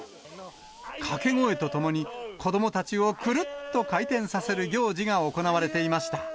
掛け声とともに、子どもたちをくるっと回転させる行事が行われていました。